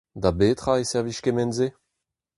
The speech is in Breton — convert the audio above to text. Da betra e servij kement-se ?